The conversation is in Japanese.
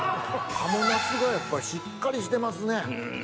賀茂なすがやっぱりしっかりしてますね。